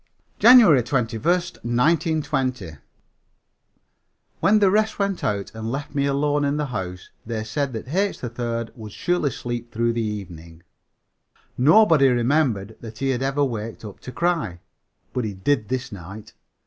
JANUARY 21, 1920. When the rest went out and left me alone in the house, they said that H. 3rd would surely sleep through the evening. Nobody remembered that he had ever waked up to cry. But he did this night.